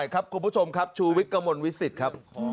คุณผู้ชมครับชูวิกกะมลวิสิทธิ์ครับ